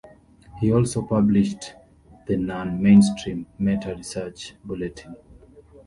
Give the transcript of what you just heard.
He also published the non-mainstream "Meta Research Bulletin".